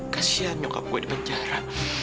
kasian nyokap gue di penjara